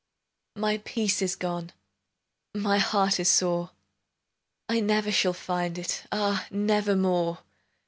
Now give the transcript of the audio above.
My peace is gone, My heart is sore: I never shall find it, Ah, nevermore!